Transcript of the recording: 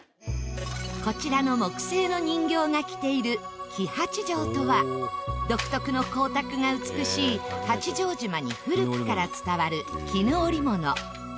こちらの木製の人形が着ている黄八丈とは独特の光沢が美しい八丈島に古くから伝わる絹織物。